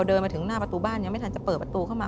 เดินมาถึงหน้าประตูบ้านยังไม่ทันจะเปิดประตูเข้ามา